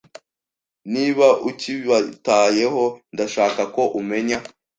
Niba ukibitayeho ndashaka ko umenya…